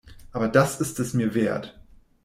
Aber das ist es mir wert.